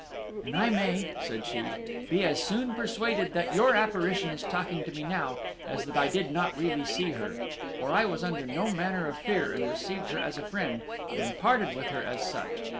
"And I may," said she, "be as soon persuaded that your apparition is talking to me now as that I did not really see her; for I was under no manner of fear, and received her as a friend, and parted with her as such.